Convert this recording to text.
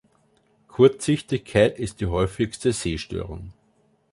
Kurzsichtigkeit ist die häufigste Sehstörung.